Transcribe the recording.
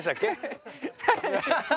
ハハハハ！